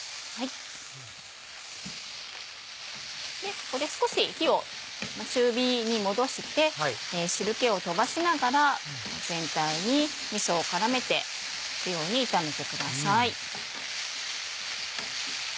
ここで少し火を中火に戻して汁気を飛ばしながら全体にみそを絡めていくように炒めてください。